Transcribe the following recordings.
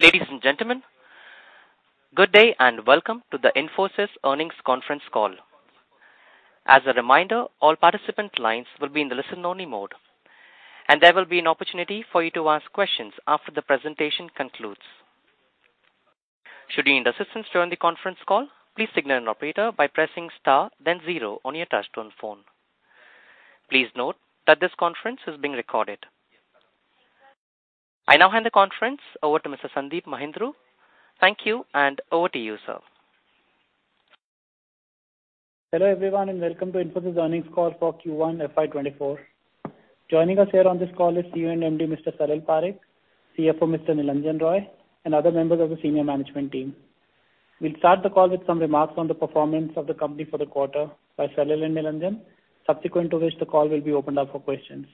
Ladies and gentlemen, good day, and welcome to the Infosys earnings conference call. As a reminder, all participant lines will be in the listen-only mode, and there will be an opportunity for you to ask questions after the presentation concludes. Should you need assistance during the conference call, please signal an operator by pressing star then zero on your touchtone phone. Please note that this conference is being recorded. I now hand the conference over to Mr. Sandeep Mahindroo. Thank you, and over to you, sir. Hello, everyone, welcome to Infosys earnings call for Q1 FY24. Joining us here on this call is CEO and MD, Mr. Salil Parekh, CFO, Mr. Nilanjan Roy, and other members of the senior management team. We'll start the call with some remarks on the performance of the company for the quarter by Salil and Nilanjan, subsequent to which the call will be opened up for questions.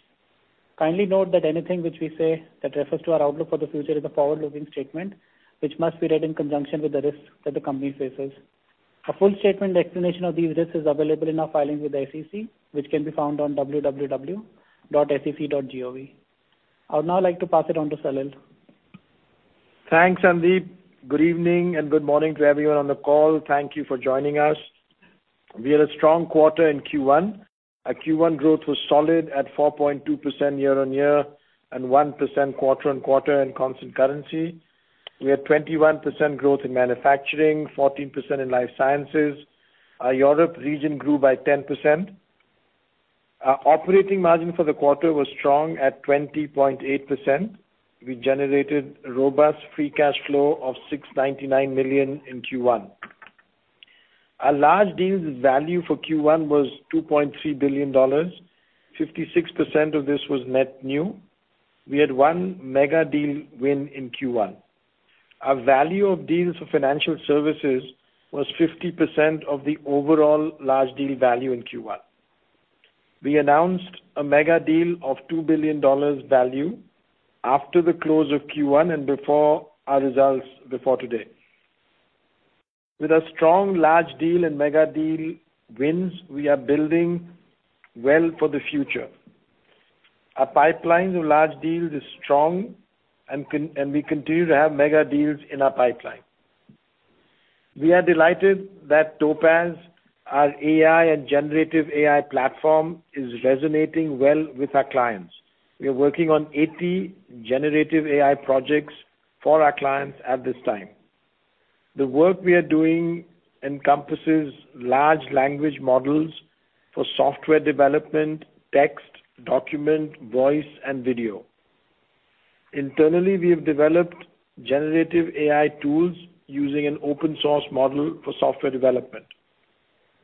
Kindly note that anything which we say that refers to our outlook for the future is a forward-looking statement, which must be read in conjunction with the risks that the company faces. A full statement and explanation of these risks is available in our filing with the SEC, which can be found on www.sec.gov. I would now like to pass it on to Salil. Thanks, Sandeep. Good evening and good morning to everyone on the call. Thank you for joining us. We had a strong quarter in Q1. Our Q1 growth was solid at 4.2% year-on-year and 1% quarter-on-quarter in constant currency. We had 21% growth in manufacturing, 14% in life sciences. Our Europe region grew by 10%. Our operating margin for the quarter was strong at 20.8%. We generated a robust free cash flow of $699 million in Q1. Our large deals value for Q1 was $2.3 billion. 56% of this was net new. We had one mega deal win in Q1. Our value of deals for financial services was 50% of the overall large deal value in Q1. We announced a mega deal of $2 billion value after the close of Q1 and before our results before today. With our strong large deal and mega deal wins, we are building well for the future. Our pipeline of large deals is strong, and we continue to have mega deals in our pipeline. We are delighted that Topaz, our AI and generative AI platform, is resonating well with our clients. We are working on 80 generative AI projects for our clients at this time. The work we are doing encompasses large language models for software development, text, document, voice, and video. Internally, we have developed generative AI tools using an open source model for software development.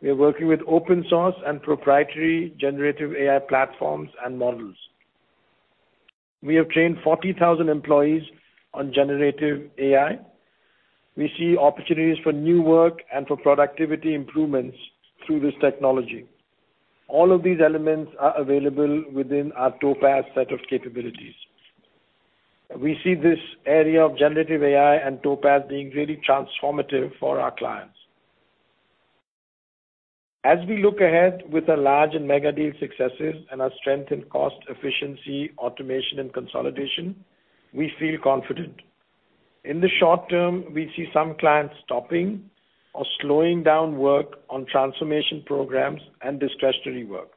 We are working with open source and proprietary generative AI platforms and models. We have trained 40,000 employees on generative AI. We see opportunities for new work and for productivity improvements through this technology. All of these elements are available within our Topaz set of capabilities. We see this area of generative AI and Topaz being really transformative for our clients. As we look ahead with our large and mega deal successes and our strength in cost, efficiency, automation, and consolidation, we feel confident. In the short term, we see some clients stopping or slowing down work on transformation programs and discretionary work.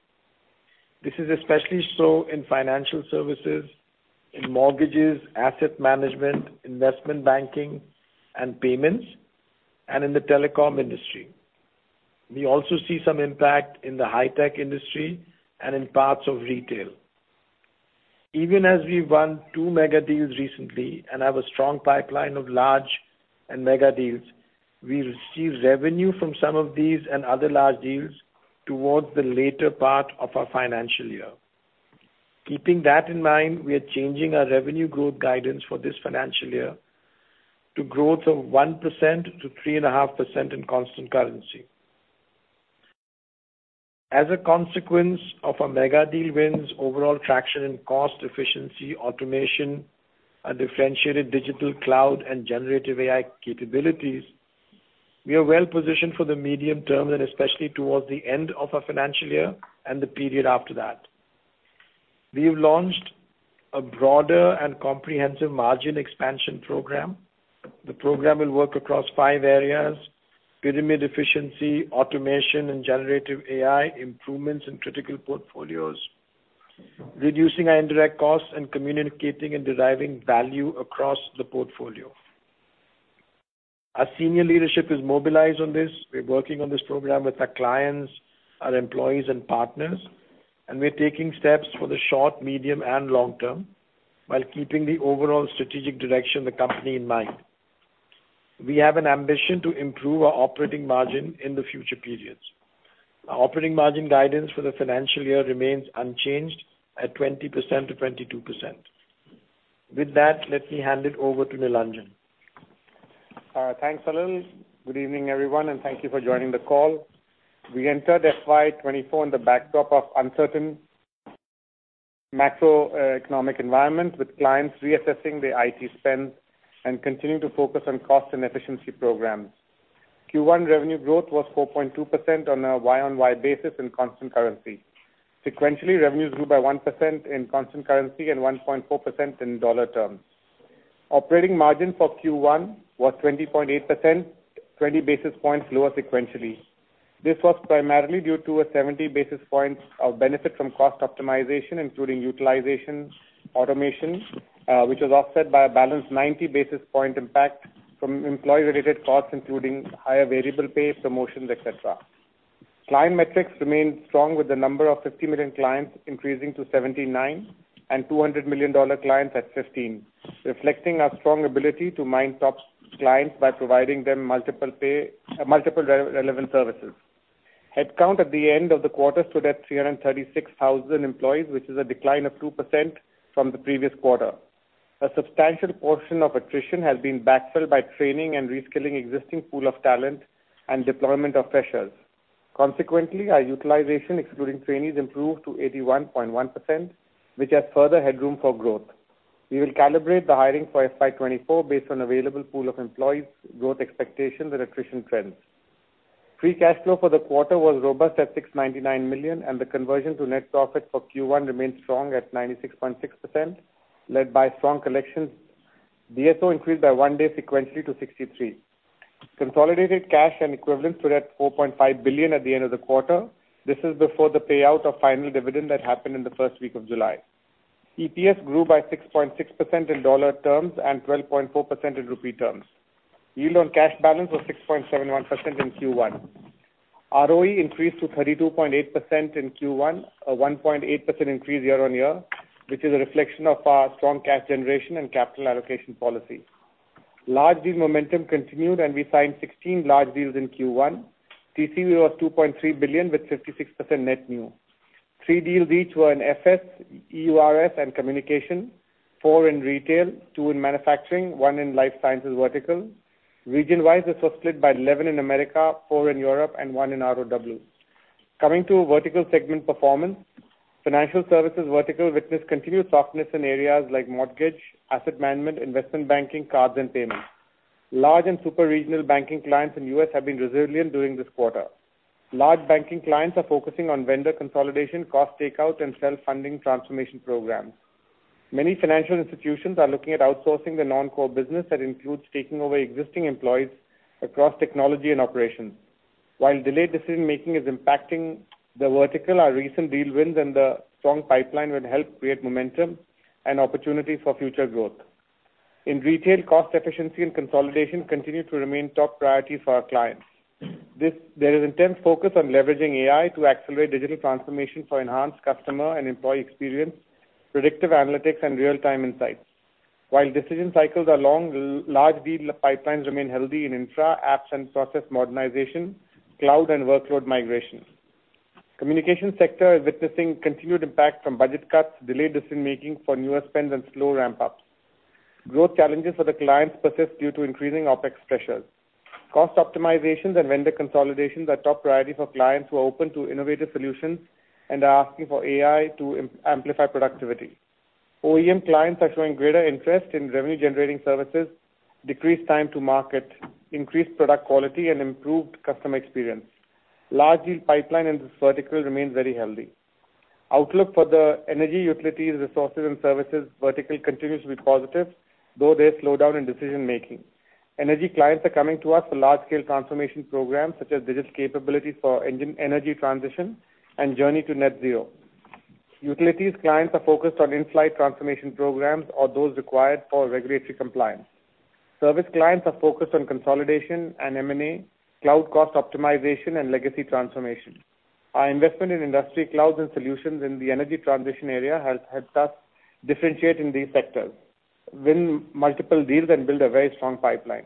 This is especially so in financial services, in mortgages, asset management, investment banking, and payments, and in the telecom industry. We also see some impact in the high tech industry and in parts of retail. Even as we've won two mega deals recently and have a strong pipeline of large and mega deals, we receive revenue from some of these and other large deals towards the later part of our financial year. Keeping that in mind, we are changing our revenue growth guidance for this financial year to growth of 1%-3.5% in constant currency. As a consequence of our mega deal wins, overall traction and cost efficiency, automation, and differentiated digital cloud and generative AI capabilities, we are well positioned for the medium term and especially towards the end of our financial year and the period after that. We have launched a broader and comprehensive margin expansion program. The program will work across five areas: pyramid efficiency, automation and generative AI, improvements in critical portfolios, reducing our indirect costs, and communicating and deriving value across the portfolio. Our senior leadership is mobilized on this. We're working on this program with our clients, our employees and partners, and we're taking steps for the short, medium, and long term, while keeping the overall strategic direction of the company in mind. We have an ambition to improve our operating margin in the future periods. Our operating margin guidance for the financial year remains unchanged at 20%-22%. With that, let me hand it over to Nilanjan. Thanks, Salil. Good evening, everyone, and thank you for joining the call. We entered FY24 on the backdrop of uncertain macroeconomic environment, with clients reassessing their IT spend and continuing to focus on cost and efficiency programs. Q1 revenue growth was 4.2% on a Y-o-Y basis in constant currency. Sequentially, revenues grew by 1% in constant currency and 1.4% in dollar terms. Operating margin for Q1 was 20.8%, 20 basis points lower sequentially. This was primarily due to a 70 basis points of benefit from cost optimization, including utilization, automation, which was offset by a balanced 90 basis point impact from employee-related costs, including higher variable pay, promotions, et cetera. Client metrics remained strong, with the number of 50 million clients increasing to 79, and $200 million clients at 15, reflecting our strong ability to mine top clients by providing them multiple relevant services. Headcount at the end of the quarter stood at 336,000 employees, which is a decline of 2% from the previous quarter. A substantial portion of attrition has been backfilled by training and reskilling existing pool of talent and deployment of freshers. Consequently, our utilization, excluding trainees, improved to 81.1%, which has further headroom for growth. We will calibrate the hiring for FY24 based on available pool of employees, growth expectations and attrition trends. Free cash flow for the quarter was robust at $699 million, and the conversion to net profit for Q1 remained strong at 96.6%, led by strong collections. DSO increased by one day sequentially to 63. Consolidated cash and equivalents stood at $4.5 billion at the end of the quarter. This is before the payout of final dividend that happened in the first week of July. EPS grew by 6.6% in dollar terms and 12.4% in rupee terms. Yield on cash balance was 6.71% in Q1. ROE increased to 32.8% in Q1, a 1.8 increase year-on-year, which is a reflection of our strong cash generation and capital allocation policy. Large deal momentum continued, and we signed 16 large deals in Q1. TCV was $2.3 billion, with 56% net new. three deals each were in FS, EURS and communication, four in retail, two in manufacturing, one in life sciences vertical. Region-wise, this was split by 11 in America, four in Europe and one in ROW. Coming to vertical segment performance, financial services vertical witnessed continued softness in areas like mortgage, asset management, investment banking, cards and payments. Large and super regional banking clients in U.S. have been resilient during this quarter. Large banking clients are focusing on vendor consolidation, cost takeout, and self-funding transformation programs. Many financial institutions are looking at outsourcing their non-core business. That includes taking over existing employees across technology and operations. While delayed decision-making is impacting the vertical, our recent deal wins and the strong pipeline will help create momentum and opportunities for future growth. In retail, cost efficiency and consolidation continue to remain top priority for our clients. There is intense focus on leveraging AI to accelerate digital transformation for enhanced customer and employee experience, predictive analytics and real-time insights. While decision cycles are long, large deal pipelines remain healthy in infra, apps and process modernization, cloud and workload migration. Communication sector is witnessing continued impact from budget cuts, delayed decision-making for newer spends and slow ramp-ups. Growth challenges for the clients persist due to increasing OpEx pressures. Cost optimizations and vendor consolidations are top priority for clients who are open to innovative solutions and are asking for AI to amplify productivity. OEM clients are showing greater interest in revenue generating services, decreased time to market, increased product quality and improved customer experience. Large deal pipeline in this vertical remains very healthy. Outlook for the energy, utilities, resources and services vertical continues to be positive, though there's slowdown in decision making. Energy clients are coming to us for large-scale transformation programs, such as digital capabilities for energy transition and journey to net zero. Utilities clients are focused on in-flight transformation programs or those required for regulatory compliance. Service clients are focused on consolidation and M&A, cloud cost optimization and legacy transformation. Our investment in industry clouds and solutions in the energy transition area has helped us differentiate in these sectors, win multiple deals and build a very strong pipeline.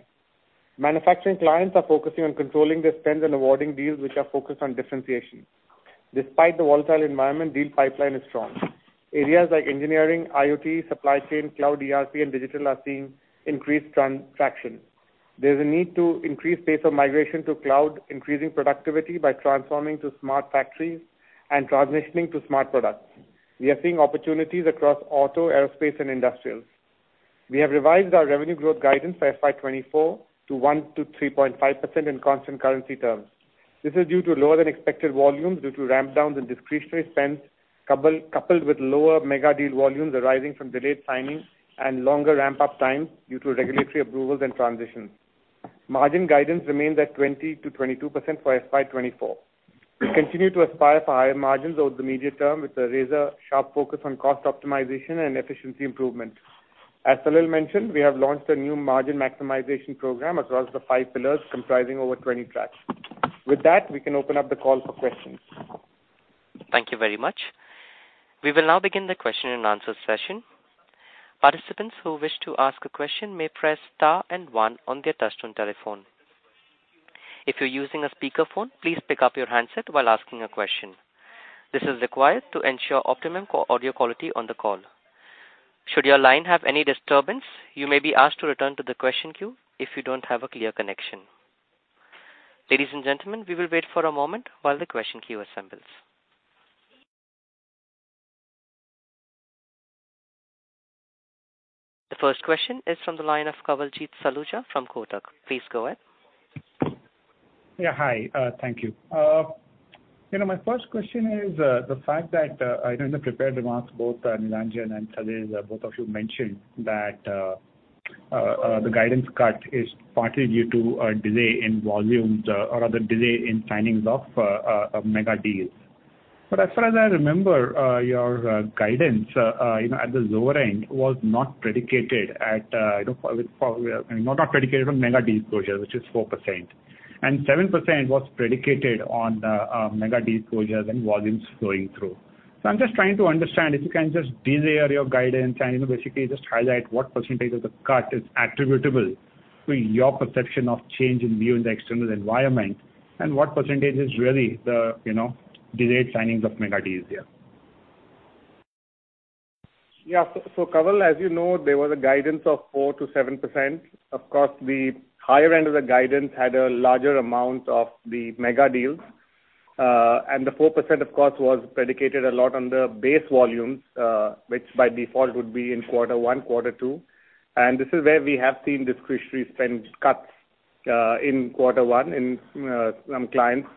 Manufacturing clients are focusing on controlling their spends and awarding deals which are focused on differentiation. Despite the volatile environment, deal pipeline is strong. Areas like engineering, IoT, supply chain, cloud, ERP, and digital are seeing increased transaction. There's a need to increase pace of migration to cloud, increasing productivity by transforming to smart factories and transitioning to smart products. We are seeing opportunities across auto, aerospace and industrials. We have revised our revenue growth guidance for FY24 to 1%-3.5% in constant currency terms. This is due to lower than expected volumes due to ramp downs and discretionary spends, coupled with lower mega deal volumes arising from delayed signings and longer ramp-up times due to regulatory approvals and transitions. Margin guidance remains at 20%-22% for FY24. We continue to aspire for higher margins over the medium term, with a razor-sharp focus on cost optimization and efficiency improvement. As Salil Parekh mentioned, we have launched a new margin maximization program across the five pillars, comprising over 20 tracks. With that, we can open up the call for questions. Thank you very much. We will now begin the question and answer session. Participants who wish to ask a question may press star and one on their touchtone telephone. If you're using a speakerphone, please pick up your handset while asking a question. This is required to ensure optimum audio quality on the call. Should your line have any disturbance, you may be asked to return to the question queue if you don't have a clear connection. Ladies and gentlemen, we will wait for a moment while the question queue assembles. The first question is from the line of Kawaljeet Saluja from Kotak. Please go ahead. Yeah, hi, thank you. You know, my first question is, the fact that, I know in the prepared remarks, both, Nilanjan and Salil, both of you mentioned that, the guidance cut is partly due to a delay in volumes or other delay in signings of, mega deals. As far as I remember, your guidance, you know, at the lower end, was not predicated at, you know, probably, not predicated on mega deal closures, which is 4%, and 7% was predicated on, mega deal closures and volumes flowing through. I'm just trying to understand, if you can just delay your guidance and, you know, basically just highlight what % of the cut is attributable to your perception of change in view in the external environment, and what % is really the, you know, delayed signings of mega deals here? Yeah. Kawal, as you know, there was a guidance of 4%-7%. Of course, the higher end of the guidance had a larger amount of the mega deals. The 4%, of course, was predicated a lot on the base volumes, which by default would be in Q1, Q2, and this is where we have seen discretionary spend cuts in Q1 in some clients,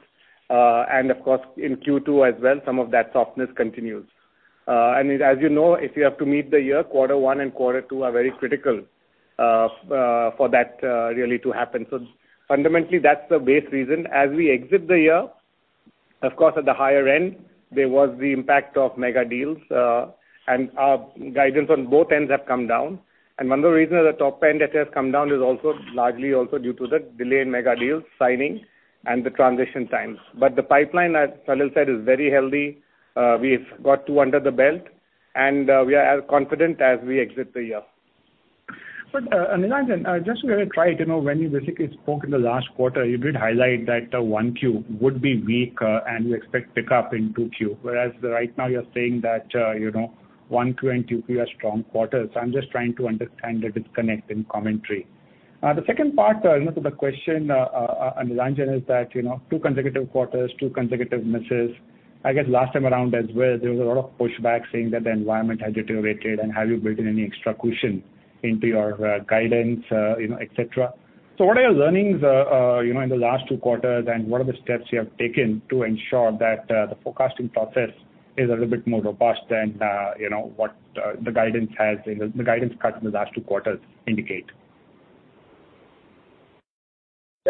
and of course, in Q2 as well, some of that softness continues. As you know, if you have to meet the year, Q1 and Q2 are very critical for that really to happen. Fundamentally, that's the base reason. As we exit the year, of course, at the higher end, there was the impact of mega deals, and our guidance on both ends have come down. One of the reasons the top end that has come down is also largely also due to the delayed mega deals signing and the transition times. The pipeline, as Salil said, is very healthy. We've got two under the belt, we are as confident as we exit the year. Nilanjan, just to get it right, you know, when you basically spoke in the last quarter, you did highlight that one Q would be weak, and you expect pickup in two Q. Whereas right now you're saying that, you know, one Q and two Q are strong quarters. I'm just trying to understand the disconnect in commentary. The second part, you know, to the question, Nilanjan, is that, you know, two consecutive quarters, two consecutive misses. I guess last time around as well, there was a lot of pushback saying that the environment has deteriorated, and have you built in any extra cushion into your guidance, you know, et cetera. What are your learnings, you know, in the last two quarters, and what are the steps you have taken to ensure that the forecasting process is a little bit more robust than, you know, what the guidance cut in the last two quarters indicate?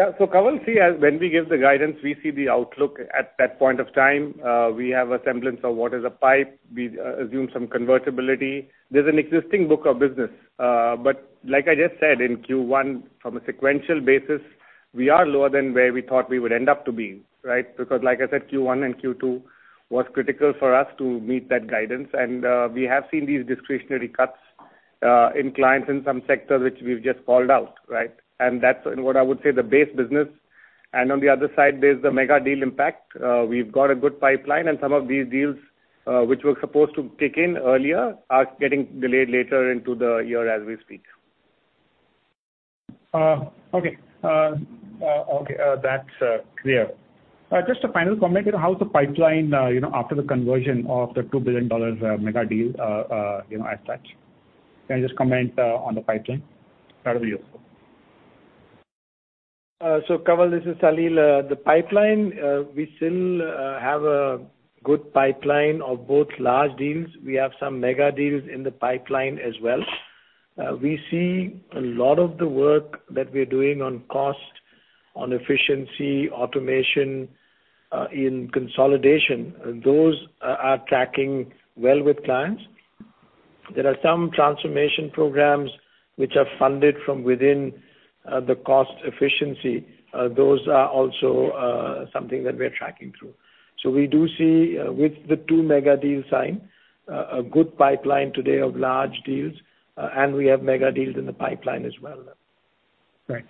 Yeah. Kawal, see, as when we give the guidance, we see the outlook at that point of time. We have a semblance of what is a pipe. We assume some convertibility. There's an existing book of business, but like I just said, in Q1, from a sequential basis, we are lower than where we thought we would end up to be, right? Because like I said, Q1 and Q2 was critical for us to meet that guidance. We have seen these discretionary cuts in clients in some sectors, which we've just called out, right? That's what I would say, the base business. On the other side, there's the mega deal impact. We've got a good pipeline, and some of these deals, which were supposed to kick in earlier, are getting delayed later into the year as we speak. Okay, that's clear. Just a final comment, you know, how's the pipeline, you know, after the conversion of the $2 billion mega deal, you know, as such? Can you just comment on the pipeline? That'll be useful. Kawal, this is Salil. The pipeline, we still have a good pipeline of both large deals. We have some mega deals in the pipeline as well. We see a lot of the work that we're doing on cost, on efficiency, automation, in consolidation, those are tracking well with clients. There are some transformation programs which are funded from within, the cost efficiency. Those are also something that we're tracking through. We do see, with the two mega deals signed, a good pipeline today of large deals, and we have mega deals in the pipeline as well. Right.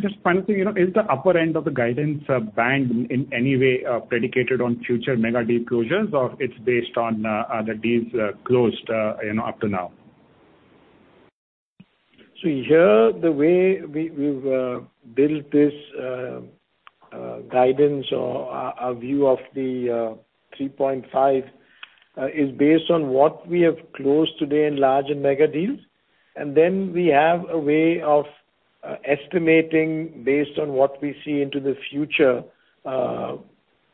Just finally, you know, is the upper end of the guidance band in any way predicated on future mega deal closures, or it's based on the deals closed, you know, up to now? Here, the way we've built this guidance or our view of the 3.5 is based on what we have closed today in large and mega deals. We have a way of estimating based on what we see into the future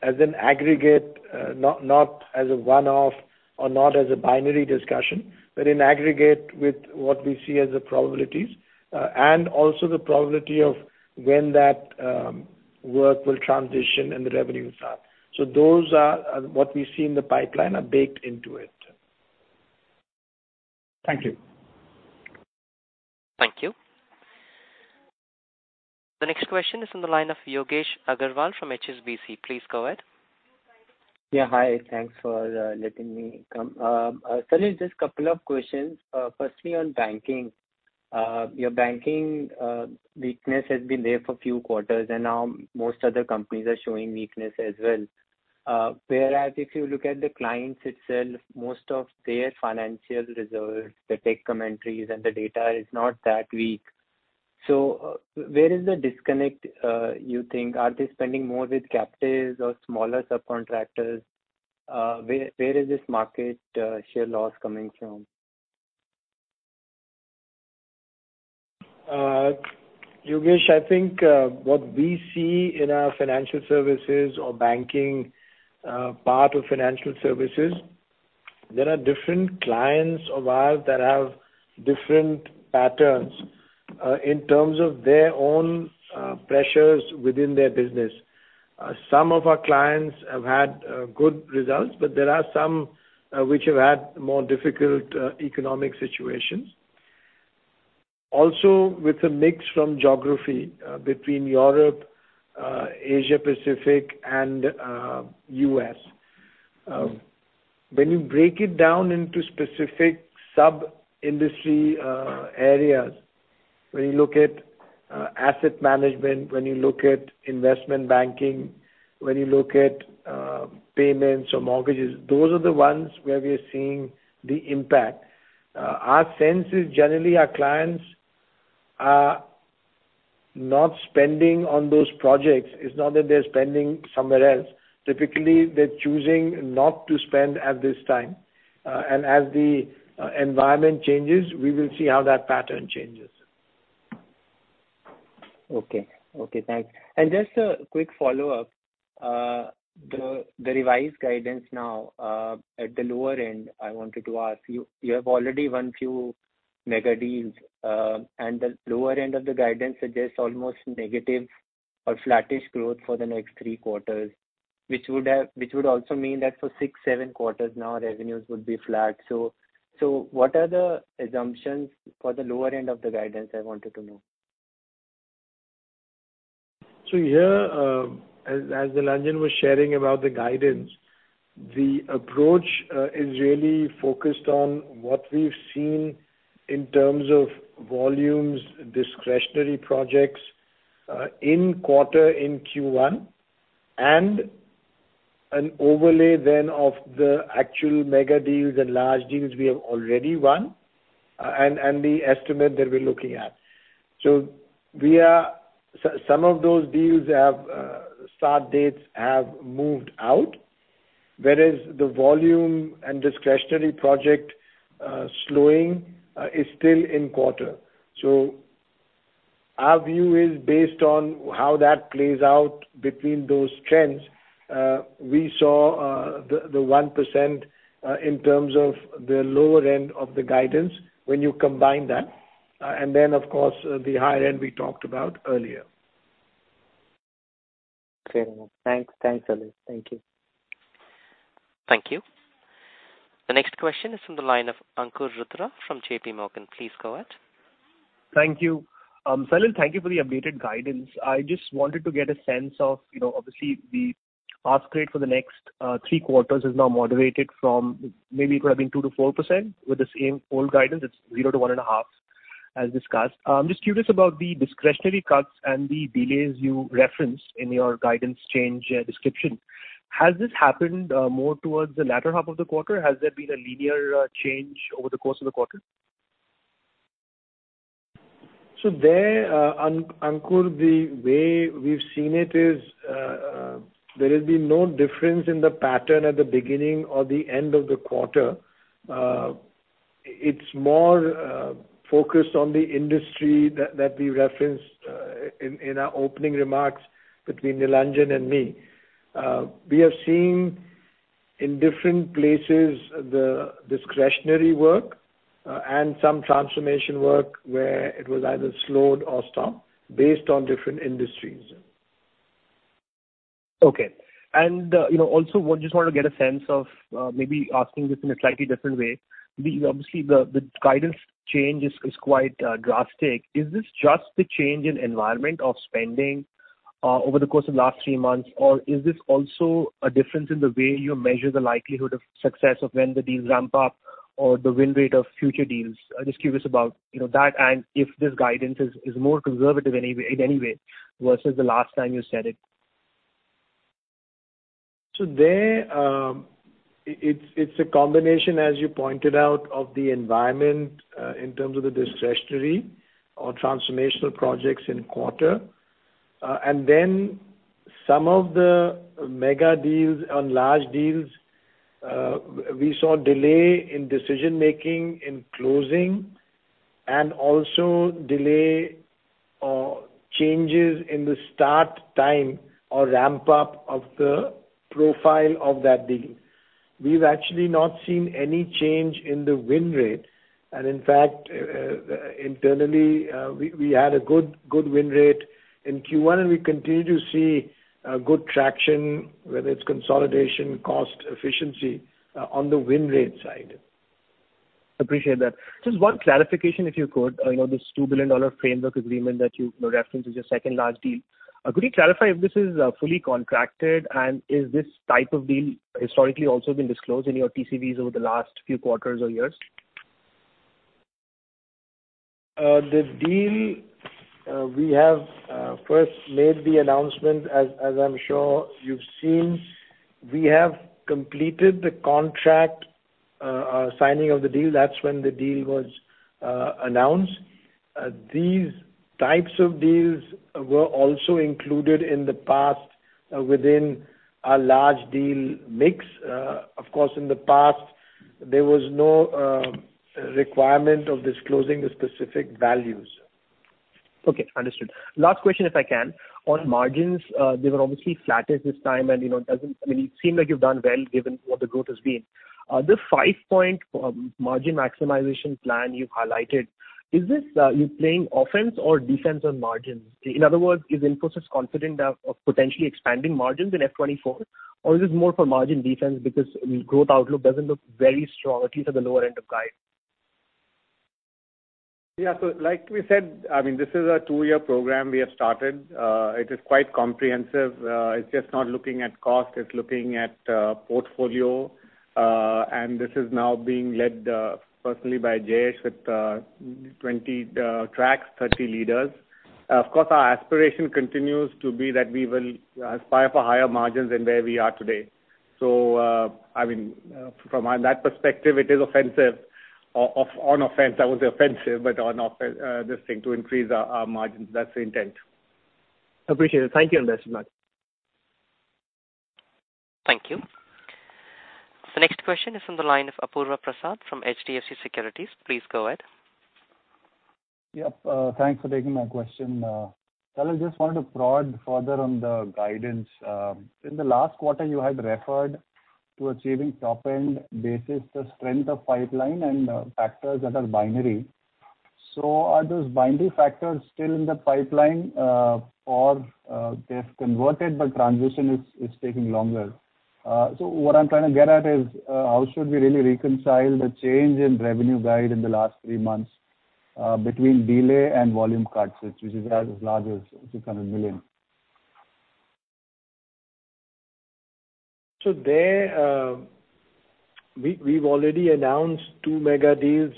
as an aggregate, not as a one-off or not as a binary discussion, but in aggregate with what we see as the probabilities, and also the probability of when that work will transition and the revenues start. Those are what we see in the pipeline are baked into it. Thank you. Thank you. The next question is on the line of Yogesh Aggarwal from HSBC. Please go ahead. Yeah, hi. Thanks for letting me come. Salil, just couple of questions. Firstly, on banking. Your banking weakness has been there for a few quarters, and now most other companies are showing weakness as well. Whereas if you look at the clients itself, most of their financial reserves, the tech commentaries and the data is not that weak. Where is the disconnect, you think? Are they spending more with captives or smaller subcontractors? Where is this market share loss coming from? Yogesh, I think what we see in our financial services or banking, part of financial services, there are different clients of ours that have different patterns in terms of their own pressures within their business. Some of our clients have had good results, but there are some which have had more difficult economic situations. Also, with a mix from geography between Europe, Asia Pacific, and U.S. When you break it down into specific sub-industry areas, when you look at asset management, when you look at investment banking, when you look at payments or mortgages, those are the ones where we are seeing the impact. Our sense is generally our clients are not spending on those projects. It's not that they're spending somewhere else. Typically, they're choosing not to spend at this time. As the environment changes, we will see how that pattern changes. Okay. Okay, thanks. Just a quick follow-up. The revised guidance now at the lower end, I wanted to ask you have already won few mega deals, and the lower end of the guidance suggests almost negative or flattish growth for the next 3 quarters, which would also mean that for six, seven quarters now, revenues would be flat. What are the assumptions for the lower end of the guidance, I wanted to know? Here, as Nilanjan was sharing about the guidance, the approach is really focused on what we've seen in terms of volumes, discretionary projects, in quarter, in Q1, and an overlay then of the actual mega deals and large deals we have already won, and the estimate that we're looking at. Some of those deals have start dates have moved out, whereas the volume and discretionary project slowing is still in quarter. Our view is based on how that plays out between those trends. We saw the 1% in terms of the lower end of the guidance when you combine that, of course, the higher end we talked about earlier. Fair enough. Thanks. Thanks, Salil. Thank you. Thank you. The next question is from the line of Ankur Rudra from J.P. Morgan. Please go ahead. Thank you. Salil, thank you for the updated guidance. I just wanted to get a sense of, you know, obviously, the pass rate for the next three quarters is now moderated from maybe it could have been 2%-4%. With the same old guidance, it's 0%-1.5%, as discussed. I'm just curious about the discretionary cuts and the delays you referenced in your guidance change description. Has this happened more towards the latter half of the quarter? Has there been a linear change over the course of the quarter? There, Ankur, the way we've seen it is, there has been no difference in the pattern at the beginning or the end of the quarter. It's more focused on the industry that we referenced in our opening remarks between Nilanjan and me. We have seen in different places the discretionary work and some transformation work where it was either slowed or stopped based on different industries. Okay. You know, also just wanted to get a sense of maybe asking this in a slightly different way. Obviously, the guidance change is quite drastic. Is this just the change in environment of spending over the course of the last three months? Or is this also a difference in the way you measure the likelihood of success of when the deals ramp up or the win rate of future deals? I'm just curious about, you know, that, and if this guidance is more conservative in any way versus the last time you said it. There, it's a combination, as you pointed out, of the environment, in terms of the discretionary or transformational projects in quarter. Some of the mega deals and large deals, we saw delay in decision-making, in closing, and also delay or changes in the start time or ramp-up of the profile of that deal. We've actually not seen any change in the win rate, and in fact, internally, we had a good win rate in Q1, and we continue to see good traction, whether it's consolidation, cost, efficiency, on the win rate side. Appreciate that. Just one clarification, if you could. You know, this $2 billion framework agreement that you referenced as your second large deal. Could you clarify if this is fully contracted, and is this type of deal historically also been disclosed in your TCVs over the last few quarters or years? The deal, we have first made the announcement, as I'm sure you've seen. We have completed the contract signing of the deal. That's when the deal was announced. These types of deals were also included in the past within a large deal mix. Of course, in the past, there was no requirement of disclosing the specific values. Okay, understood. Last question, if I can. On margins, they were obviously flatter this time, and, you know, I mean, it seemed like you've done well, given what the growth has been. The 5-point margin maximization plan you've highlighted, is this you playing offense or defense on margins? In other words, is Infosys confident of potentially expanding margins in FY24, or is this more for margin defense? Because growth outlook doesn't look very strong, at least at the lower end of guide. Yeah. Like we said, this is a two-year program we have started. It is quite comprehensive. It's just not looking at cost, it's looking at portfolio. This is now being led personally by Jayesh, with 20 tracks, 30 leaders. Of course, our aspiration continues to be that we will aspire for higher margins than where we are today. From that perspective, it is offensive, on offense. I would say offensive, but on offense, this thing to increase our margins. That's the intent. Appreciate it. Thank you, and thanks so much. Thank you. The next question is from the line of Apurva Prasad from HDFC Securities. Please go ahead. Yep, thanks for taking my question. Salil, just wanted to prod further on the guidance. In the last quarter, you had referred to achieving top-end basis, the strength of pipeline and factors that are binary. Are those binary factors still in the pipeline or they've converted, but transition is taking longer? What I'm trying to get at is how should we really reconcile the change in revenue guide in the last three months, between delay and volume cuts, which is as large as $200 million? There, we've already announced two mega deals,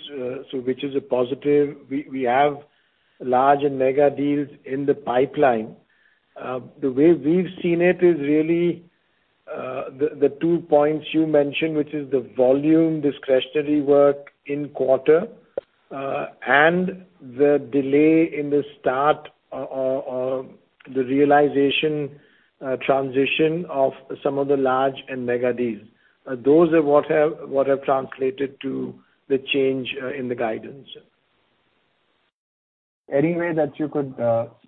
which is a positive. We have large and mega deals in the pipeline. The way we've seen it is really, the two points you mentioned, which is the volume discretionary work in quarter, and the delay in the start or the realization transition of some of the large and mega deals. Those are what have translated to the change in the guidance. Any way that you could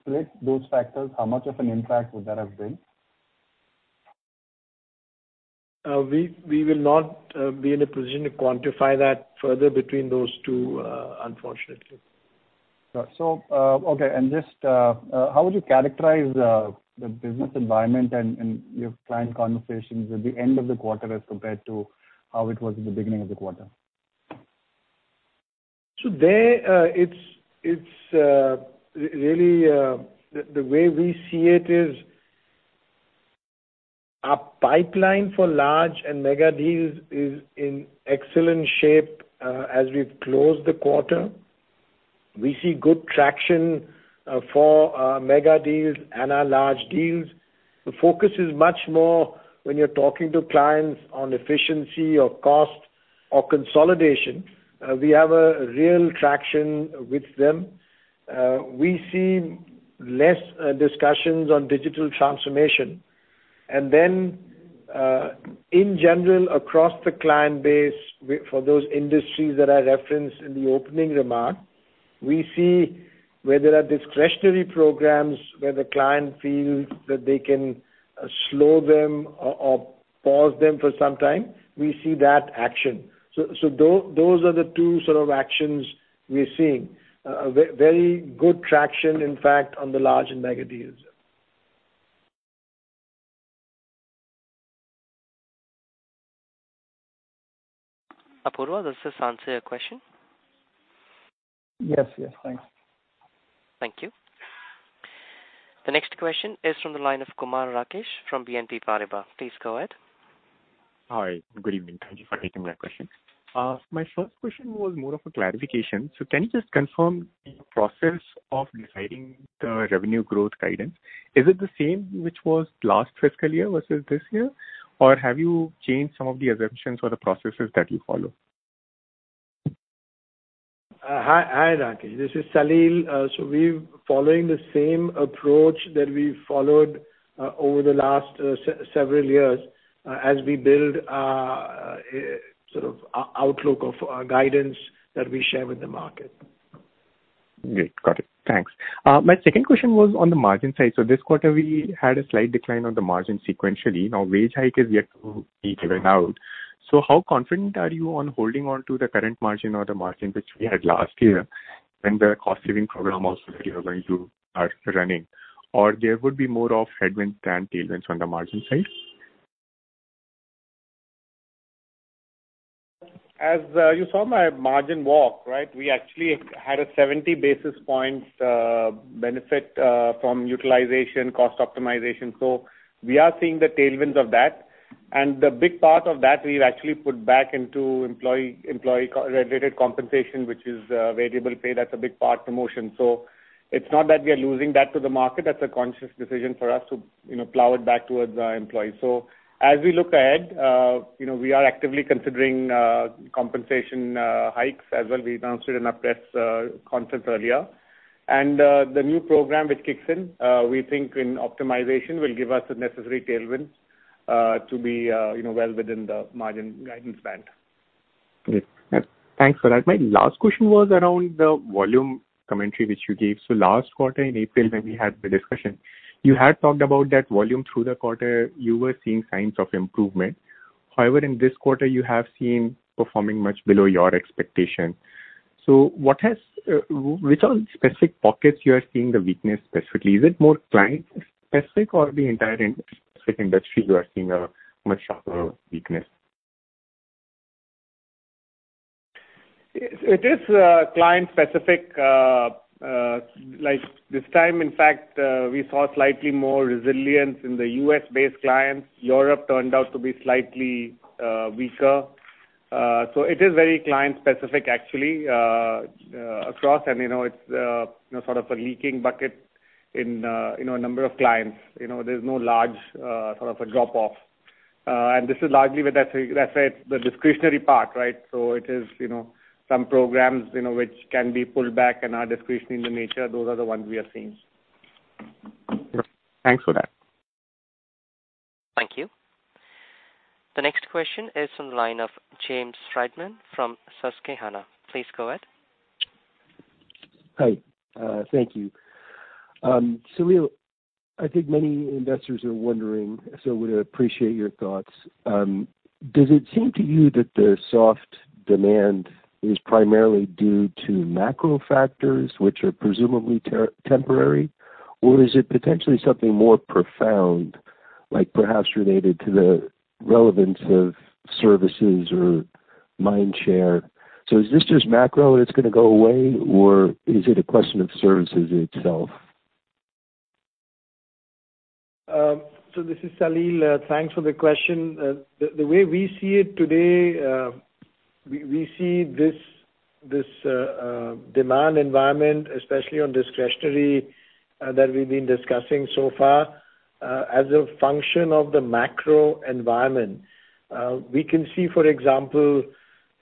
split those factors, how much of an impact would that have been? We will not be in a position to quantify that further between those two, unfortunately. Got it. Okay, just how would you characterize the business environment and your client conversations at the end of the quarter as compared to how it was at the beginning of the quarter? There, it's really the way we see it is, our pipeline for large and mega deals is in excellent shape, as we've closed the quarter. We see good traction for our mega deals and our large deals. The focus is much more when you're talking to clients on efficiency or cost or consolidation, we have a real traction with them. We see less discussions on digital transformation. Then, in general, across the client base, for those industries that I referenced in the opening remark, we see where there are discretionary programs, where the client feels that they can slow them or pause them for some time, we see that action. Those are the two sort of actions we're seeing. Very good traction, in fact, on the large and mega deals. Apurva, does this answer your question? Yes. Yes, thanks. Thank you. The next question is from the line of Kumar Rakesh from BNP Paribas. Please go ahead. Hi, good evening. Thank you for taking my question. My first question was more of a clarification. Can you just confirm the process of deciding the revenue growth guidance? Is it the same, which was last fiscal year versus this year, or have you changed some of the assumptions or the processes that you follow? Hi, Rakesh. This is Salil. We're following the same approach that we followed over the last several years, as we build sort of outlook of our guidance that we share with the market. Great. Got it. Thanks. My second question was on the margin side. This quarter, we had a slight decline on the margin sequentially. Now wage hike is yet to be given out. How confident are you on holding on to the current margin or the margin which we had last year, when the cost saving program also that you are going to start running, or there would be more of headwinds than tailwinds on the margin side? You saw my margin walk, right? We actually had a 70 basis points benefit from utilization, cost optimization. We are seeing the tailwinds of that. The big part of that we've actually put back into employee-related compensation, which is variable pay. That's a big part, promotion. It's not that we are losing that to the market, that's a conscious decision for us to, you know, plow it back towards our employees. As we look ahead, you know, we are actively considering compensation hikes as well. We announced it in our press conference earlier. The new program, which kicks in, we think in optimization, will give us the necessary tailwind to be, you know, well within the margin guidance band. Great. Thanks for that. My last question was around the volume commentary, which you gave. Last quarter in April, when we had the discussion, you had talked about that volume through the quarter, you were seeing signs of improvement. However, in this quarter, you have seen performing much below your expectation. What has... Which are the specific pockets you are seeing the weakness specifically? Is it more client-specific or the entire industry, you are seeing a much stronger weakness? It is client-specific. Like this time, in fact, we saw slightly more resilience in the U.S.-based clients. Europe turned out to be slightly weaker. It is very client-specific, actually, across, and, you know, it's, you know, sort of a leaking bucket in, you know, a number of clients. You know, there's no large, sort of a drop-off. This is largely with, as I said, the discretionary part, right? It is, you know, some programs, you know, which can be pulled back and are discretionary in nature. Those are the ones we are seeing. Thanks for that. Thank you. The next question is from the line of James Friedman from Susquehanna. Please go ahead. Hi, thank you. Salil, I think many investors are wondering. Would appreciate your thoughts. Does it seem to you that the soft demand is primarily due to macro factors, which are presumably temporary? Or is it potentially something more profound, like perhaps related to the relevance of services or mind share? Is this just macro that's gonna go away, or is it a question of services itself? This is Salil. Thanks for the question. The way we see it today, we see this demand environment, especially on discretionary that we've been discussing so far as a function of the macro environment. We can see, for example,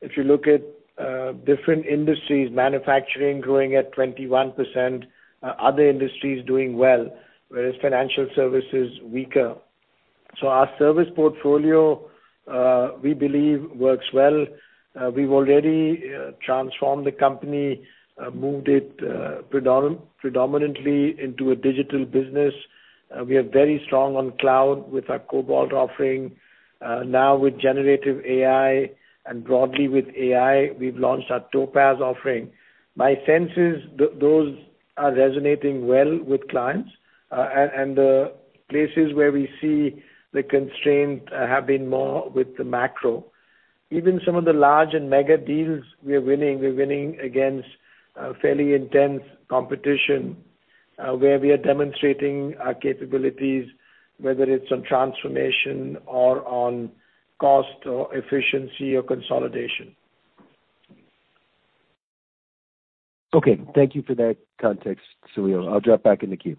if you look at different industries, manufacturing growing at 21%, other industries doing well, whereas financial service is weaker. Our service portfolio, we believe works well. We've already transformed the company, moved it predominantly into a digital business. We are very strong on cloud with our Cobalt offering. Now with generative AI and broadly with AI, we've launched our Topaz offering. My sense is those are resonating well with clients, and the places where we see the constraint have been more with the macro. Even some of the large and mega deals we are winning, we're winning against fairly intense competition, where we are demonstrating our capabilities, whether it's on transformation or on cost or efficiency or consolidation. Okay, thank you for that context, Salil. I'll drop back in the queue.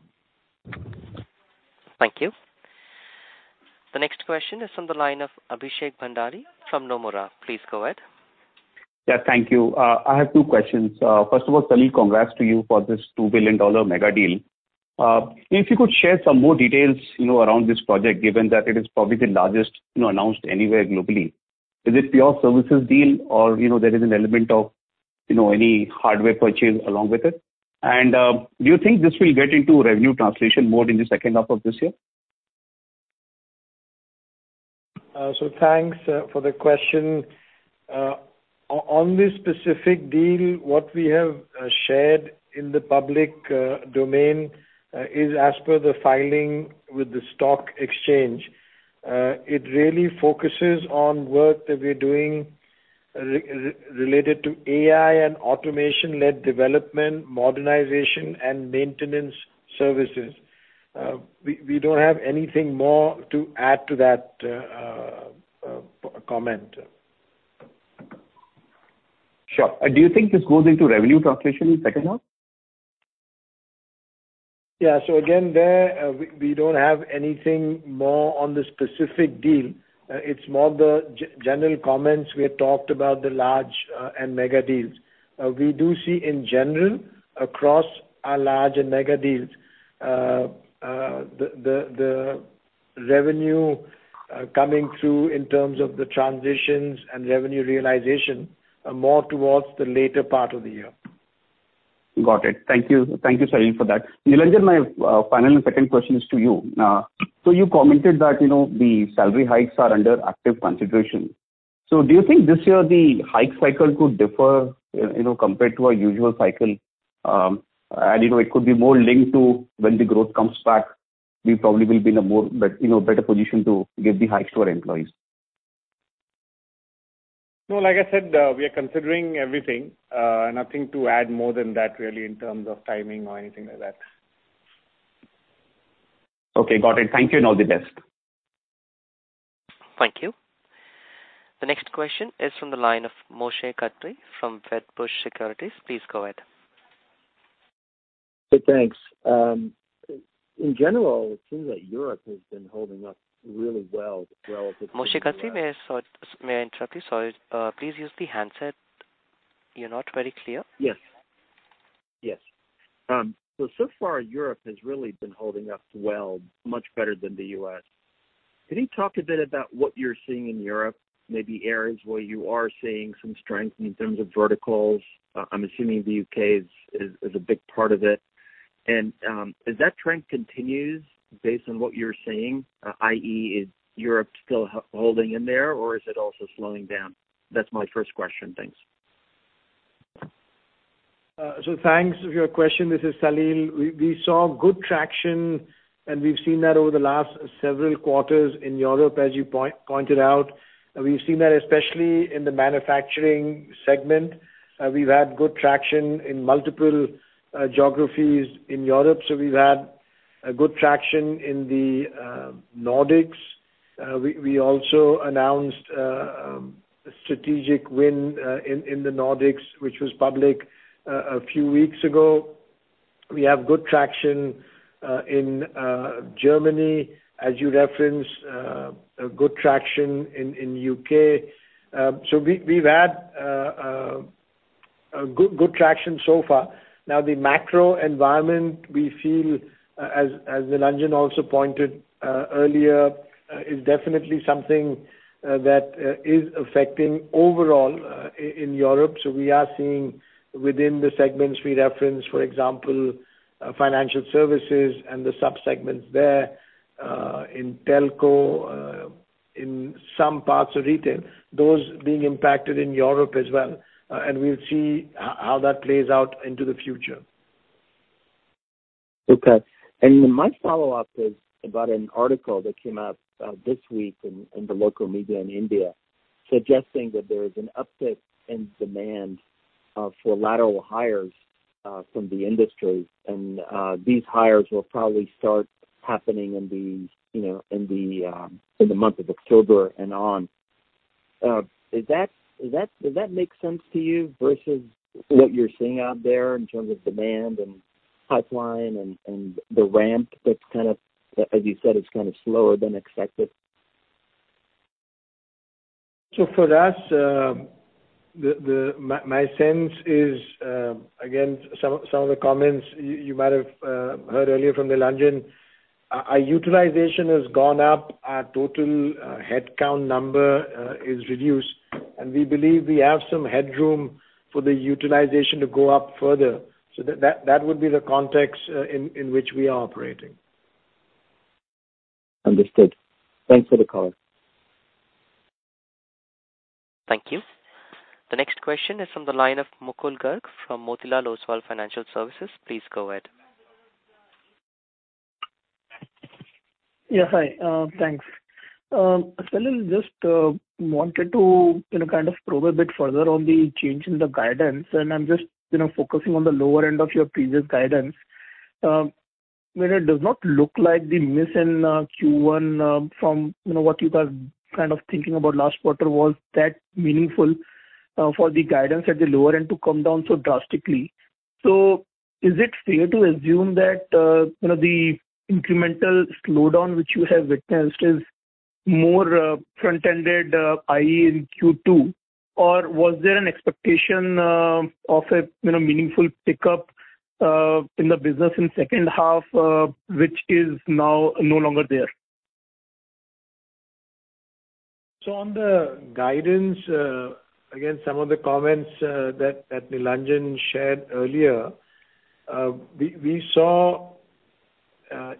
Thank you. The next question is from the line of Abhishek Bhandari from Nomura. Please go ahead. Yeah, thank you. I have two questions. First of all, Salil, congrats to you for this $2 billion mega deal. If you could share some more details, you know, around this project, given that it is probably the largest, you know, announced anywhere globally. Is it pure services deal or, you know, there is an element of, you know, any hardware purchase along with it? Do you think this will get into revenue translation more in the second half of this year? Thanks for the question. On this specific deal, what we have shared in the public domain is as per the filing with the stock exchange. It really focuses on work that we're doing related to AI and automation-led development, modernization, and maintenance services. We don't have anything more to add to that comment. Sure. Do you think this goes into revenue translation in second half? Yeah. Again, there, we don't have anything more on the specific deal. It's more the general comments. We have talked about the large, and mega deals. We do see in general, across our large and mega deals, the revenue, coming through in terms of the transitions and revenue realization, are more towards the later part of the year. Got it. Thank you. Thank you, Salil, for that. Nilanjan, my final and second question is to you. You commented that, you know, the salary hikes are under active consideration. Do you think this year the hike cycle could differ, you know, compared to our usual cycle? You know, it could be more linked to when the growth comes back, we probably will be in a more, you know, better position to give the hikes to our employees. No, like I said, we are considering everything. Nothing to add more than that really, in terms of timing or anything like that. Okay, got it. Thank you. Now the best. Thank you. The next question is from the line of Moshe Katri from Wedbush Securities. Please go ahead. Hey, thanks. In general, it seems that Europe has been holding up really well relative to. Moshe Katri, may I interrupt you? Sorry. Please use the handset. You're not very clear. Yes. Yes. So far, Europe has really been holding up well, much better than the U.S. Can you talk a bit about what you're seeing in Europe? Maybe areas where you are seeing some strength in terms of verticals. I'm assuming the U.K. is a big part of it. As that trend continues, based on what you're seeing, i.e., is Europe still holding in there, or is it also slowing down? That's my first question. Thanks. Thanks for your question. This is Salil. We saw good traction, and we've seen that over the last several quarters in Europe, as you pointed out. We've seen that especially in the manufacturing segment. We've had good traction in multiple geographies in Europe, we've had a good traction in the Nordics. We also announced a strategic win in the Nordics, which was public a few weeks ago. We have good traction in Germany, as you referenced, a good traction in UK. We've had a good traction so far. The macro environment, we feel as Nilanjan also pointed earlier, is definitely something that is affecting overall in Europe. We are seeing within the segments we reference, for example, Financial Services and the sub-segments there, in Telco, in some parts of retail, those being impacted in Europe as well, and we'll see how that plays out into the future. Okay. My follow-up is about an article that came out this week in the local media in India, suggesting that there is an uptick in demand for lateral hires from the industry. These hires will probably start happening in the, you know, in the month of October and on. Does that make sense to you versus what you're seeing out there in terms of demand and pipeline and the ramp that's kind of, as you said, it's kind of slower than expected? For us, My sense is, again, some of the comments you might have heard earlier from Nilanjan. Our utilization has gone up, our total headcount number is reduced, and we believe we have some headroom for the utilization to go up further. That would be the context in which we are operating. Understood. Thanks for the call. Thank you. The next question is from the line of Mukul Garg from Motilal Oswal Financial Services. Please go ahead. Yeah, hi. Thanks. Salil, just wanted to, you know, kind of probe a bit further on the change in the guidance. I'm just, you know, focusing on the lower end of your previous guidance. Well, it does not look like the miss in Q1, from, you know, what you were kind of thinking about last quarter was that meaningful, for the guidance at the lower end to come down so drastically. Is it fair to assume that, you know, the incremental slowdown which you have witnessed is more front-ended, i.e., in Q2? Or was there an expectation of a, you know, meaningful pickup in the business in second half, which is now no longer there? On the guidance, again, some of the comments that Nilanjan shared earlier, we saw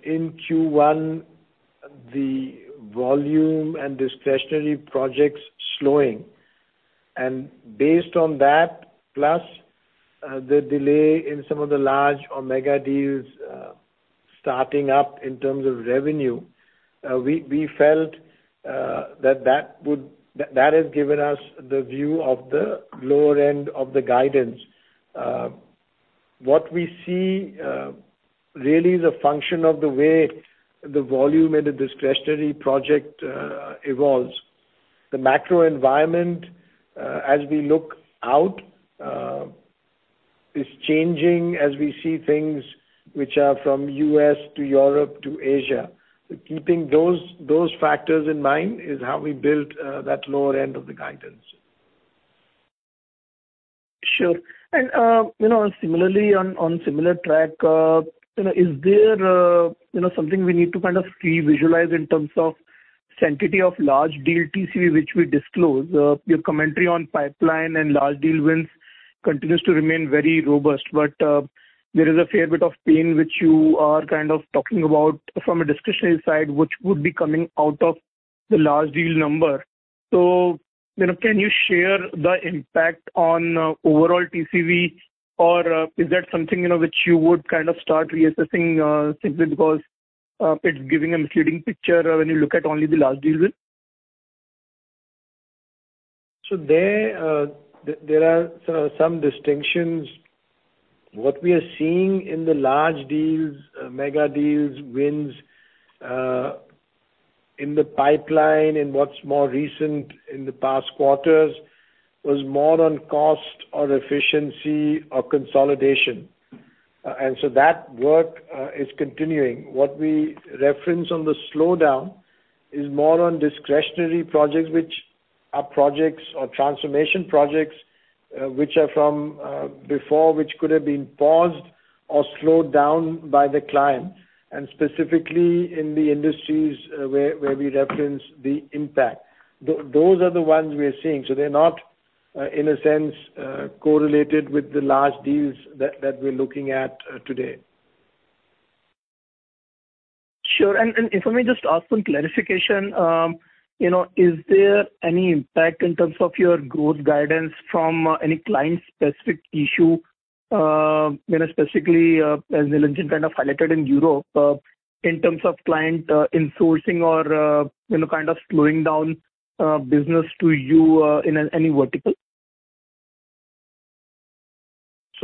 in Q1, the volume and discretionary projects slowing. Based on that, plus, the delay in some of the large or mega deals, starting up in terms of revenue, we felt that has given us the view of the lower end of the guidance. What we see, really is a function of the way the volume and the discretionary project evolves. The macro environment, as we look out, is changing as we see things which are from US to Europe to Asia. Keeping those factors in mind is how we built that lower end of the guidance. Sure. Similarly, you know, on similar track, you know, is there, you know, something we need to kind of pre-visualize in terms of sanctity of large deal TCV, which we disclose? Your commentary on pipeline and large deal wins continues to remain very robust, but there is a fair bit of pain which you are kind of talking about from a discretionary side, which would be coming out of the large deal number. You know, can you share the impact on overall TCV, or is that something, you know, which you would kind of start reassessing, simply because it's giving a misleading picture when you look at only the large deal win? There are some distinctions. What we are seeing in the large deals, mega deals, wins, in the pipeline and what's more recent in the past quarters, was more on cost or efficiency or consolidation. That work is continuing. What we reference on the slowdown is more on discretionary projects, which are projects or transformation projects, which are from before, which could have been paused or slowed down by the clients, and specifically in the industries, where we reference the impact. Those are the ones we are seeing, so they're not in a sense correlated with the large deals that we're looking at today. Sure. If I may just ask for clarification, you know, is there any impact in terms of your growth guidance from any client-specific issue, you know, specifically, as Nilanjan kind of highlighted in Europe, in terms of client insourcing or, you know, kind of slowing down business to you in an any vertical?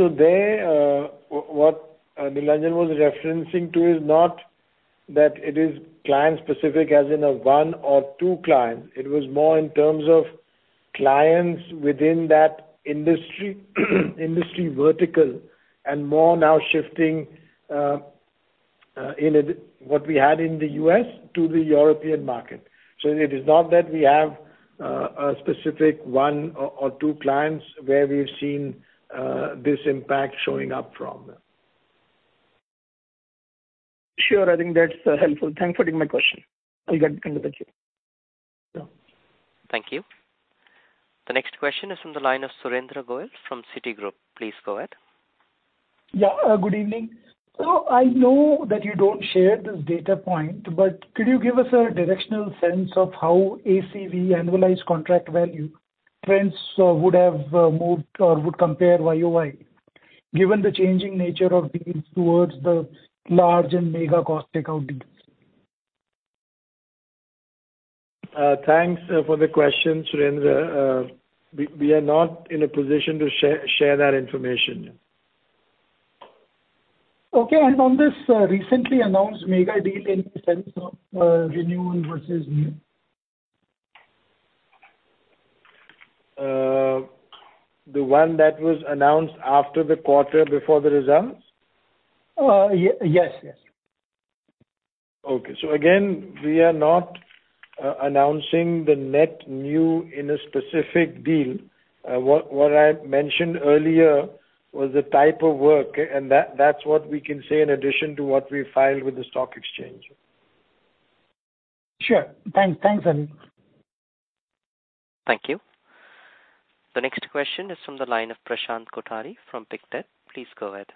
There, what Nilanjan was referencing to is not that it is client-specific as in a one or two clients. It was more in terms of clients within that industry vertical, and more now shifting, in what we had in the U.S. to the European market. It is not that we have a specific one or two clients where we've seen this impact showing up from. Sure. I think that's helpful. Thanks for taking my question. I'll get in touch with you. Yeah. Thank you. The next question is from the line of Surendra Goyal from Citigroup. Please go ahead. Yeah, good evening. I know that you don't share this data point, but could you give us a directional sense of how ACV, annualized contract value, trends, would have moved or would compare YOY, given the changing nature of deals towards the large and mega cost take out deals? Thanks, for the question, Surendra. We are not in a position to share that information. Okay. On this, recently announced mega deal in the sense of, renewal versus new? The one that was announced after the quarter, before the results? Yes. Yes. Okay. Again, we are not announcing the net new in a specific deal. What I mentioned earlier was the type of work, and that's what we can say in addition to what we filed with the stock exchange. Sure. Thanks. Thanks, Salil. Thank you. The next question is from the line of Prashant Kothari from Pictet. Please go ahead.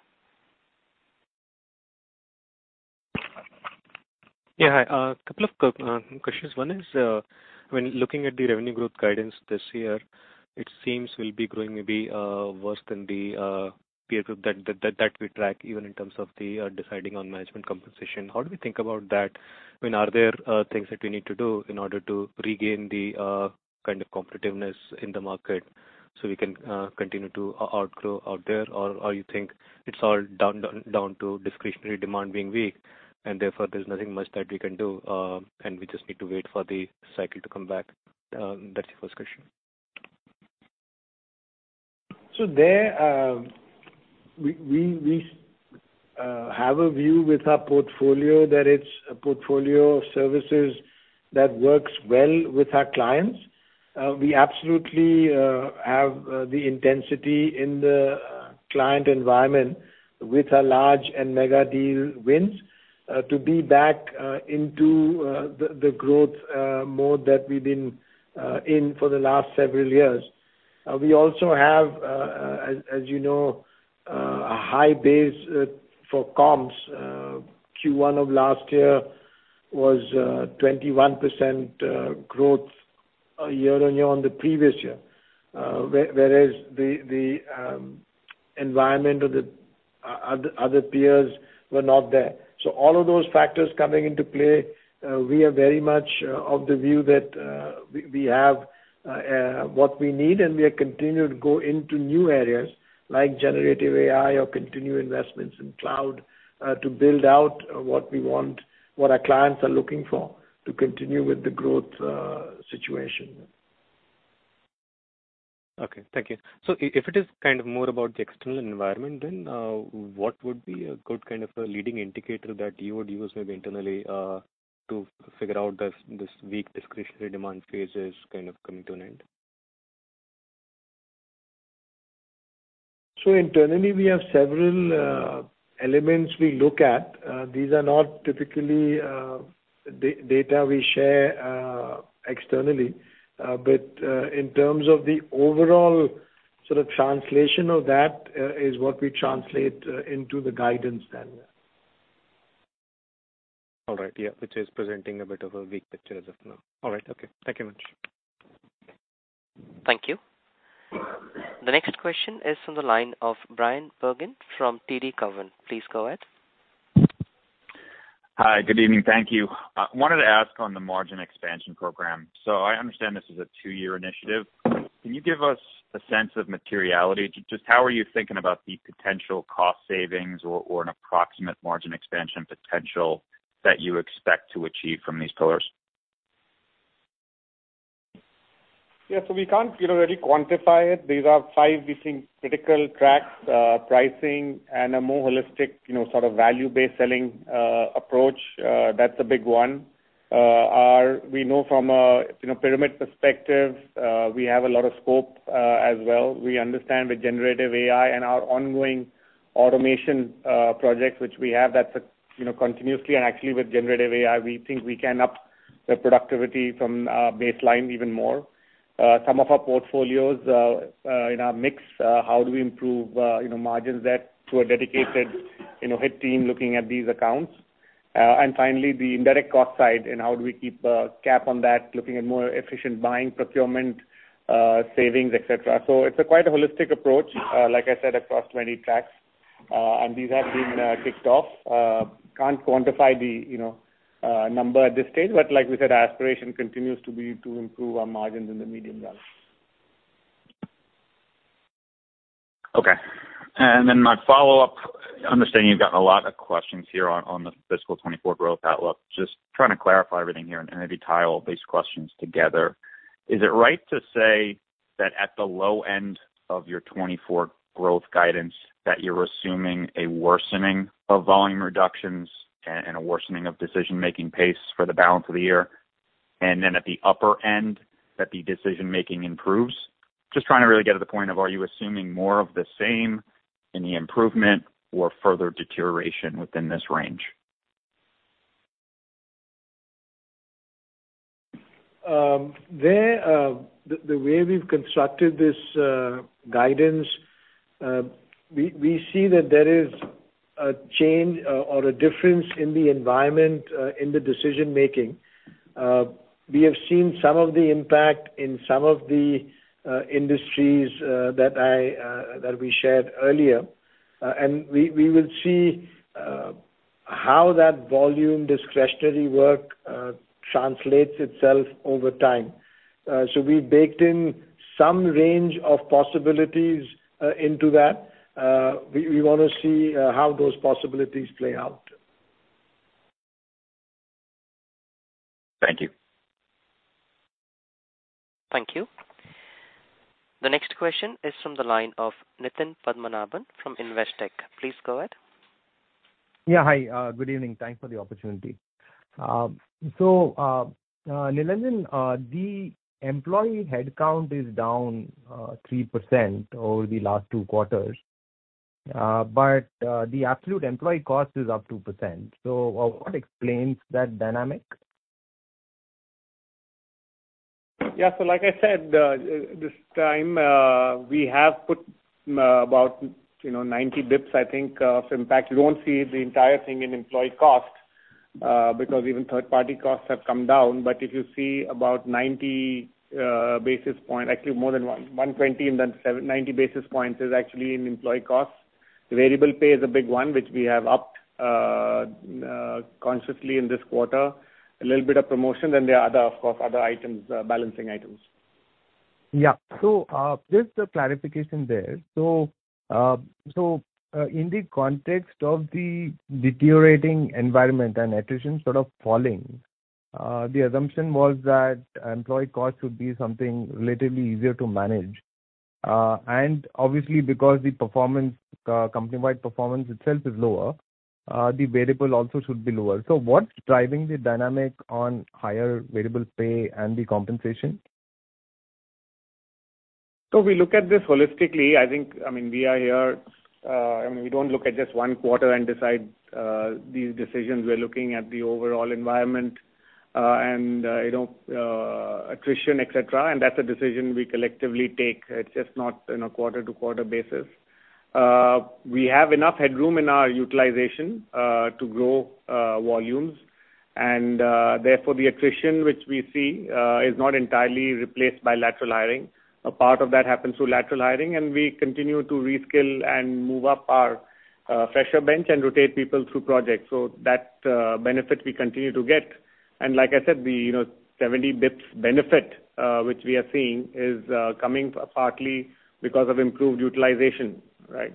Yeah, hi. Couple of questions. One is when looking at the revenue growth guidance this year, it seems we'll be growing maybe worse than the peer group that we track, even in terms of the deciding on management compensation. How do we think about that? I mean, are there things that we need to do in order to regain the kind of competitiveness in the market so we can continue to outgrow out there? Or you think it's all down to discretionary demand being weak, and therefore there's nothing much that we can do, and we just need to wait for the cycle to come back? That's the first question. There we have a view with our portfolio that it's a portfolio of services that works well with our clients. We absolutely have the intensity in the client environment with our large and mega deal wins to be back into the growth mode that we've been in for the last several years. We also have, as you know, a high base for comps. Q1 of last year was 21% growth year on year on the previous year. Whereas the environment of the other peers were not there. All of those factors coming into play, we are very much of the view that we have what we need, and we are continuing to go into new areas like generative AI or continued investments in cloud, to build out what we want, what our clients are looking for, to continue with the growth situation. Okay, thank you. If it is kind of more about the external environment, then, what would be a good kind of a leading indicator that you would use maybe internally, to figure out that this weak discretionary demand phase is kind of coming to an end? Internally, we have several elements we look at. These are not typically data we share externally. But in terms of the overall sort of translation of that, is what we translate into the guidance then. All right. Yeah, which is presenting a bit of a weak picture as of now. All right. Okay. Thank you much. Thank you. The next question is from the line of Bryan Bergin from TD Cowen. Please go ahead. Hi, good evening. Thank you. I wanted to ask on the margin expansion program. I understand this is a two-year initiative. Can you give us a sense of materiality? Just how are you thinking about the potential cost savings or an approximate margin expansion potential that you expect to achieve from these pillars? We can't, you know, really quantify it. These are five, we think, critical tracks, pricing and a more holistic, you know, sort of value-based selling approach. That's a big one. We know from a, you know, pyramid perspective, we have a lot of scope as well. We understand with generative AI and our ongoing automation projects, which we have, that's a, you know, continuously and actually with generative AI, we think we can up the productivity from baseline even more. Some of our portfolios in our mix, how do we improve, you know, margins that to a dedicated, you know, hit team looking at these accounts? Finally, the indirect cost side, how do we keep a cap on that, looking at more efficient buying, procurement, savings, et cetera. It's a quite a holistic approach, like I said, across many tracks. These have been kicked off. Can't quantify the, you know, number at this stage, but like we said, our aspiration continues to be to improve our margins in the medium run. Okay. My follow-up, I understand you've gotten a lot of questions here on the fiscal 2024 growth outlook. Just trying to clarify everything here and maybe tie all these questions together. Is it right to say that at the low end of your 2024 growth guidance, that you're assuming a worsening of volume reductions and a worsening of decision-making pace for the balance of the year? At the upper end, that the decision-making improves? Just trying to really get to the point of, are you assuming more of the same in the improvement or further deterioration within this range? The, the way we've constructed this guidance, we see that there is a change or a difference in the environment, in the decision-making. We have seen some of the impact in some of the industries, that I, that we shared earlier. We, we will see how that volume discretionary work translates itself over time. So we've baked in some range of possibilities into that. We, we wanna see how those possibilities play out. Thank you. Thank you. The next question is from the line of Nitin Padmanabhan from Investec. Please go ahead. Yeah, hi. good evening. Thanks for the opportunity. Nilanjan, the employee headcount is down 3% over the last two quarters, but the absolute employee cost is up 2%. What explains that dynamic? Yeah, like I said, this time, we have put about, you know, 90 basis points, I think, of impact. You don't see the entire thing in employee cost, because even third-party costs have come down. If you see about 90 basis points, actually more than one, 120 and then seven, 90 basis points is actually in employee costs. Variable pay is a big one, which we have upped consciously in this quarter, a little bit of promotion, there are other, of course, other items, balancing items. Yeah. Just a clarification there. In the context of the deteriorating environment and attrition sort of falling, the assumption was that employee costs would be something relatively easier to manage. Obviously, because the performance, company-wide performance itself is lower, the variable also should be lower. What's driving the dynamic on higher variable pay and the compensation? We look at this holistically. I think, I mean, we are here, I mean, we don't look at just one quarter and decide these decisions. We're looking at the overall environment, and, you know, attrition, et cetera, and that's a decision we collectively take. It's just not in a quarter-to-quarter basis. We have enough headroom in our utilization, to grow volumes, and, therefore, the attrition which we see, is not entirely replaced by lateral hiring. A part of that happens through lateral hiring, and we continue to reskill and move up our fresher bench and rotate people through projects. That benefit we continue to get. Like I said, the, you know, 70 bips benefit, which we are seeing, is coming partly because of improved utilization, right?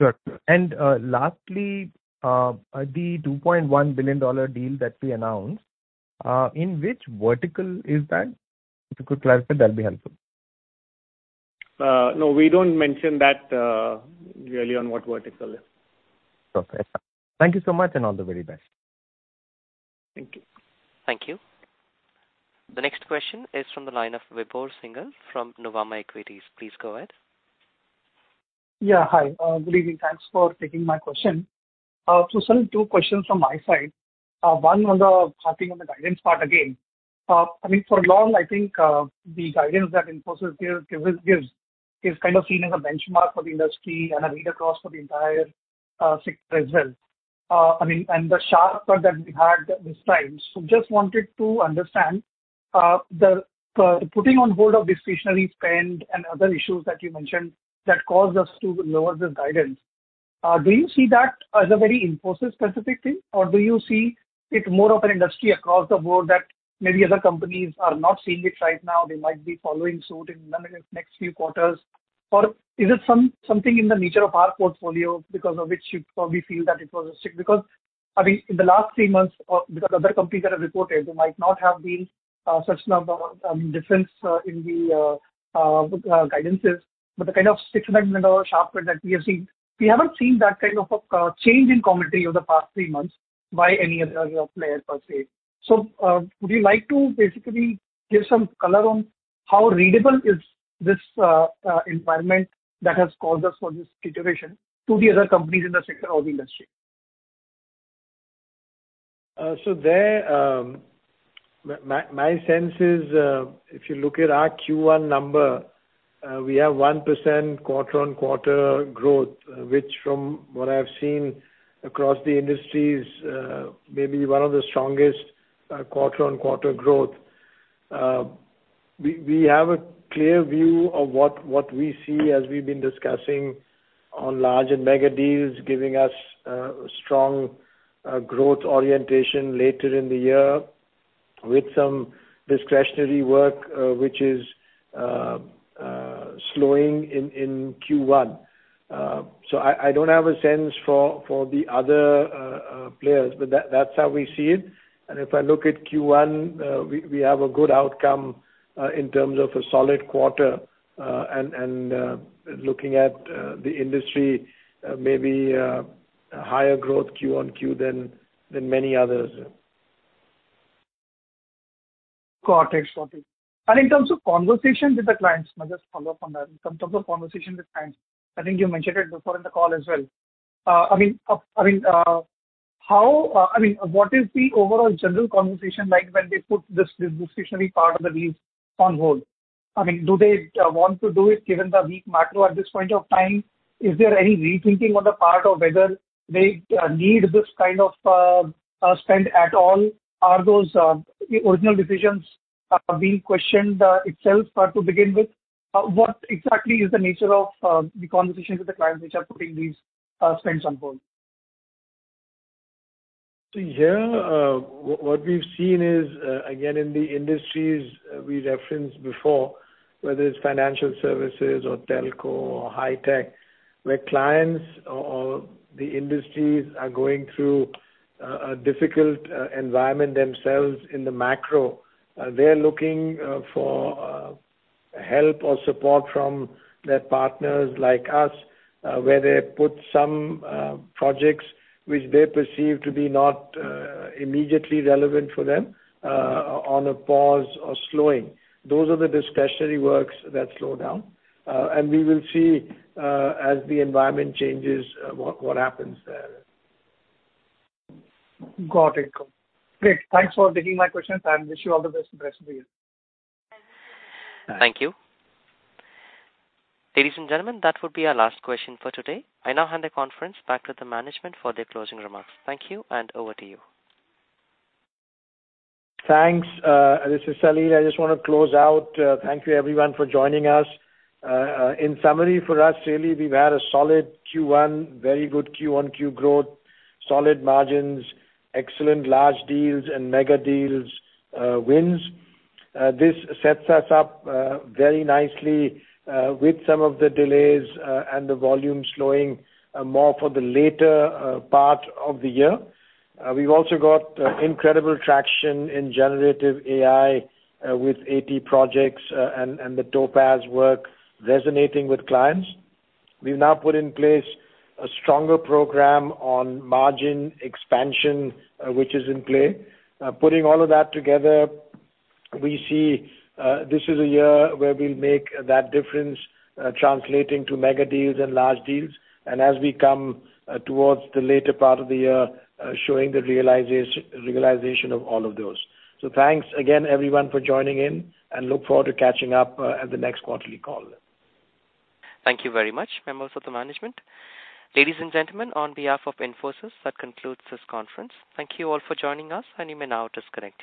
Sure. Lastly, the $2.1 billion deal that we announced, in which vertical is that? A quick clarify, that'll be helpful. no, we don't mention that, really on what vertical is. Okay. Thank you so much, and all the very best. Thank you. Thank you. The next question is from the line of Vibhor Singhal from Nuvama Equities. Please go ahead. Yeah, hi. good evening. Thanks for taking my question. Some two questions from my side. One on the, harping on the guidance part again. I mean, for long, I think, the guidance that Infosys gives is kind of seen as a benchmark for the industry and a read-across for the entire sector as well. The sharp cut that we had this time. Just wanted to understand, the putting on hold of discretionary spend and other issues that you mentioned that caused us to lower this guidance. Do you see that as a very Infosys specific thing, or do you see it more of an industry across the board that maybe other companies are not seeing it right now, they might be following suit in the next few quarters? Or is it something in the nature of our portfolio because of which you probably feel that it was a stick? I mean, in the last 3 months, because other companies that have reported, there might not have been such number difference in the guidances, but the kind of significant or sharp cut that we have seen, we haven't seen that kind of a change in commentary over the past 3 months by any other player, per se. Would you like to basically give some color on how readable is this environment that has caused us for this situation to the other companies in the sector or the industry? There, my sense is, if you look at our Q1 number, we have 1% quarter-on-quarter growth, which from what I've seen across the industries, may be one of the strongest quarter-on-quarter growth. We have a clear view of what we see as we've been discussing on large and mega deals, giving us strong growth orientation later in the year with some discretionary work, which is slowing in Q1. I don't have a sense for the other players, but that's how we see it. If I look at Q1, we have a good outcome, in terms of a solid quarter, and looking at the industry, maybe a higher growth Q-on-Q than many others. Got it. In terms of conversations with the clients, I'll just follow up on that. In terms of the conversation with clients, I think you mentioned it before in the call as well. I mean, what is the overall general conversation like when they put this discretionary part of the deals on hold? I mean, do they want to do it given the weak macro at this point of time? Is there any rethinking on the part of whether they need this kind of spend at all? Are those original decisions being questioned itself to begin with? What exactly is the nature of the conversations with the clients which are putting these spends on hold? Here, what we've seen is, again, in the industries, we referenced before, whether it's financial services or telco or high tech, where clients or the industries are going through, a difficult environment themselves in the macro. They're looking for help or support from their partners like us, where they put some projects which they perceive to be not immediately relevant for them, on a pause or slowing. Those are the discretionary works that slow down. We will see as the environment changes, what happens there. Got it. Great. Thanks for taking my questions and wish you all the best for the rest of the year. Thanks. Thank you. Ladies and gentlemen, that would be our last question for today. I now hand the conference back to the management for their closing remarks. Thank you. Over to you. Thanks, this is Salil. I just want to close out. Thank you everyone for joining us. In summary, for us, really, we've had a solid Q1, very good Q1 Q growth, solid margins, excellent large deals and mega deals, wins. This sets us up very nicely with some of the delays and the volume slowing more for the later part of the year. We've also got incredible traction in generative AI with 80 projects and the Topaz work resonating with clients. We've now put in place a stronger program on margin expansion, which is in play. Putting all of that together, we see, this is a year where we'll make that difference, translating to mega deals and large deals, and as we come, towards the later part of the year, showing the realization of all of those. Thanks again, everyone, for joining in, and look forward to catching up, at the next quarterly call. Thank you very much, members of the management. Ladies and gentlemen, on behalf of Infosys, that concludes this conference. Thank you all for joining us. You may now disconnect your lines.